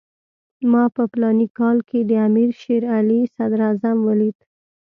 ما په فلاني کال کې د امیر شېر علي صدراعظم ولید.